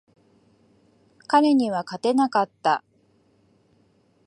彼には勝てなかった。